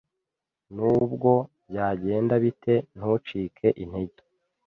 Nubwo byagenda bite, ntucike intege.